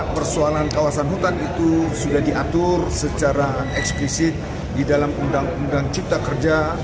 persoalan kawasan hutan itu sudah diatur secara eksplisit di dalam undang undang cipta kerja